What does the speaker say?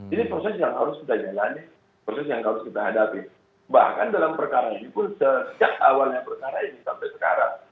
jadi proses yang harus kita jalani proses yang harus kita hadapi bahkan dalam perkara ini pun sejak awalnya perkara ini sampai sekarang